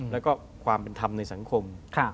แล้วก็ความเป็นธรรมในสังคม